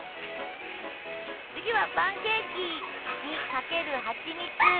次はパンケーキにかけるはちみつ！